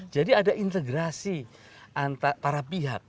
jadi ada integrasi antara pihak